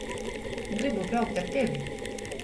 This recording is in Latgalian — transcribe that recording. Grybu braukt ar tevi!